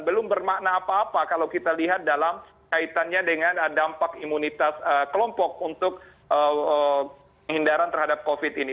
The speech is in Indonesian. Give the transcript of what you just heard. belum bermakna apa apa kalau kita lihat dalam kaitannya dengan dampak imunitas kelompok untuk hindaran terhadap covid ini